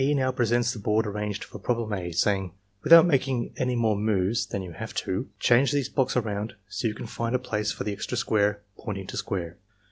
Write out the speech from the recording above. now presents the board arranged for problem A, saying: "Without making any more moves than you have to, change these blocks around so you can find a place for the extra square (pointing to square).